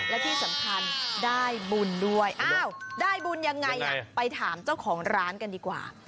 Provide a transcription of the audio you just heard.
และที่สำคัญได้บุญด้วยอ้าวได้บุญยังไงไปถามเจ้าของร้านกันดีกว่า